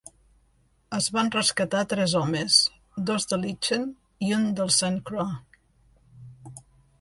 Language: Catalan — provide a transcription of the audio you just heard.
Es van rescatar tres homes, dos de l'Itchen i un del Saint Croix.